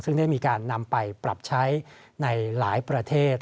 ซึ่งได้มีการนำไปปรับใช้ในหลายประเทศ